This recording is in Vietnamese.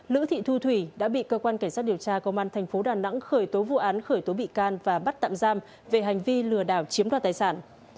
lữ thị thu thủy đã bị cơ quan cảnh sát điều tra công an thành phố đà nẵng khởi tố vụ án khởi tố bị can và bắt tạm giam về hành vi lừa đảo chiếm đoạt tài sản